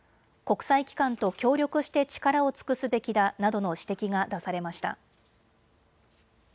国際機関と協力して力を尽くすべきだなどの指摘が出されました。